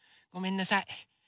ごめんなさい。